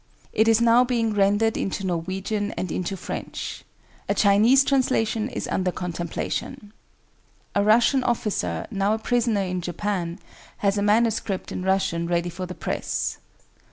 It is now being rendered into Norwegian and into French. A Chinese translation is under contemplation. A Russian officer, now a prisoner in Japan, has a manuscript in Russian ready for the press.